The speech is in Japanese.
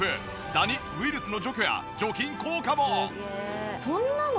ダニ・ウイルスの除去や除菌効果も！